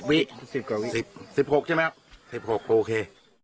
๑๐กว่า๒๐๑๖ใช่ไหมครับ๑๖โอเค